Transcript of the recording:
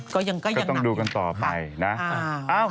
ก็ยังต้องดูกันต่อไปนะ